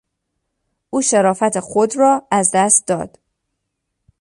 او شرافت خود را از دست داد.